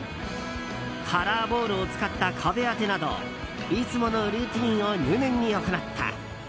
カラーボールを使った壁当てなどいつものルーティンを入念に行った。